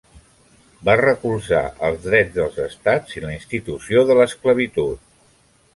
Va recolzar els drets dels estats i la institució de l'esclavitud.